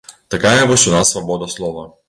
Такая вось у нас свабода слова.